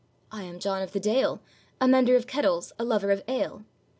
'I am John of the Dale, A mender of kettles, a lover of ale.